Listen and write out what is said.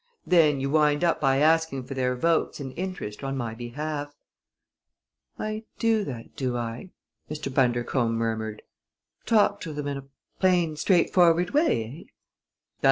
Then you wind up by asking for their votes and interest on my behalf." "I do that do I?" Mr. Bundercombe murmured. "Talk to them in a plain, straightforward way, eh?"